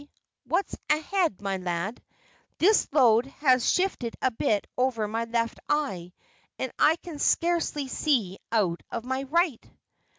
what's ahead, my lad? This load has shifted a bit over my left eye and I can scarcely see out of my right."